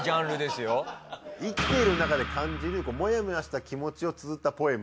生きている中で感じるモヤモヤした気持ちをつづったポエム。